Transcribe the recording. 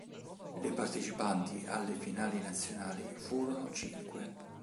Le partecipanti alle finali nazionali furono cinque.